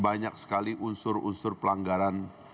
banyak sekali unsur unsur pelanggaran